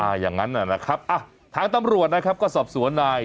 อย่างนั้นนะครับอ่ะทางตำรวจนะครับก็สอบสวนนาย